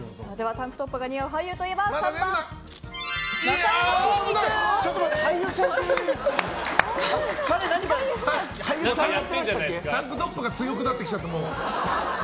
タンクトップが強くなってきちゃった。